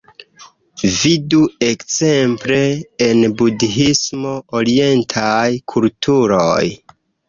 Vidu, ekzemple, en Budhismo, orientaj kulturoj...